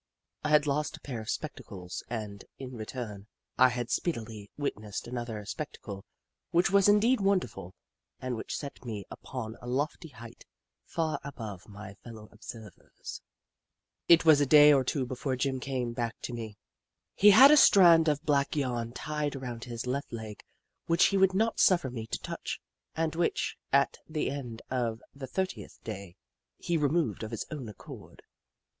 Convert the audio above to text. I had lost a pair of spectacles, and, in return, I had speedily witnessed another spectacle which was indeed wonderful and which set me upon a lofty height, far above my fellow observers. It was a day or two before Jim came back to me. He had a strand of black yarn tied around his left leof which he would not suffer me to touch, and which, at the end of the thirtieth day, he removed of his own accord.